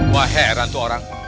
wah heran tuh orang